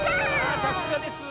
あさすがです。